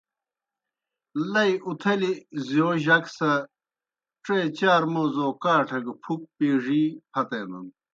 لئی اُتَھلیْ زِیؤ جک سہ ڇے چار موزو کاٹھہ گہ پُھک پیڙی پھتینَن۔